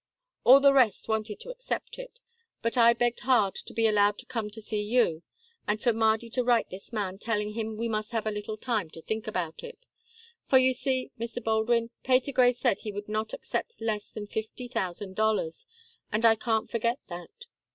All the rest want to accept it, but I begged hard to be allowed to come to see you, and for Mardy to write this man, telling him we must have a little time to think about it. For you see, Mr. Baldwin, Patergrey said he would not accept less than fifty thousand dollars, and I can't forget that.